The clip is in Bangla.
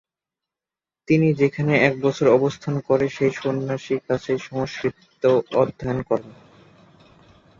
তিনি সেখানে এক বছর অবস্থান করে সেই সন্ন্যাসীর কাছে সংস্কৃত অধ্যয়ন করেন।